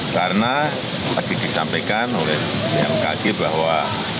karena tadi disampaikan oleh yang kaget bahwa